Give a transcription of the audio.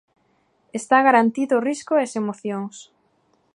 Está garantido o risco e as emocións.